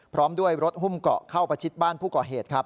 พร้อมด้วยรถหุ้มเกาะเข้าประชิดบ้านผู้ก่อเหตุครับ